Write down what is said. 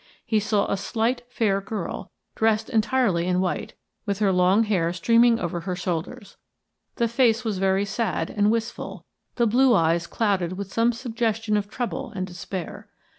He saw a slight, fair girl, dressed entirely in white, with her long hair streaming over her shoulders. The face was very sad and wistful, the blue eyes clouded with some suggestion of trouble and despair.